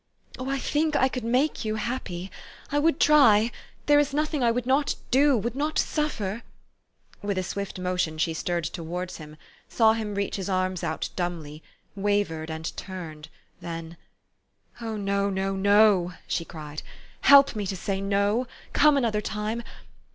Oh, I think I could make you happy! I would try there is nothing I would not do, would not suffer " With a swift motion she stirred towards him, saw him reach his arms out dumbly, wavered and turned, then, " Oh, no, no, no !" she cried. " Help me to say no! Come another tune.